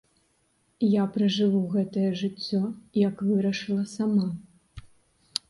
Я пражыву гэтае жыццё, як вырашыла сама.